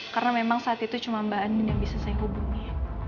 karena memang saat itu cuma mbak andin yang bisa saya hubungi